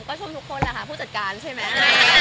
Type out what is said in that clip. ก็ชมทุกคนแหละค่ะผู้จัดการใช่ไหม